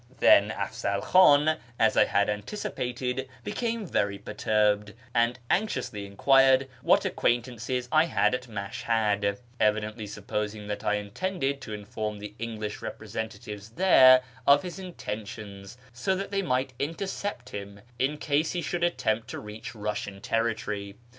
Then At'zal Kh;in, as I had anticipated, became very perturbed, and anxiously inquired what acquaint ances I had at Mashhad, evidently supposing that I intended to inform the English representatives there of his intentions, so that they might intercept him in case he should attempt to reach Russian territory.